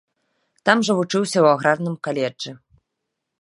Там жа вучыўся ў аграрным каледжы.